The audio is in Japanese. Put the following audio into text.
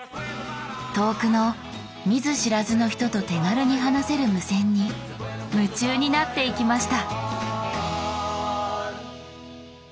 遠くの見ず知らずの人と手軽に話せる無線に夢中になっていきました。